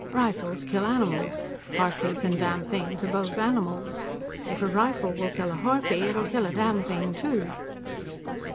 Rifles kill animals. Harpies and damnthings are both animals. If a rifle will kill a harpy, it'll kill a damnthing too."